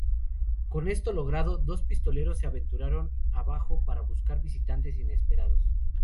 Con esto logrado, dos pistoleros se aventuraron abajo para buscar visitantes inesperados.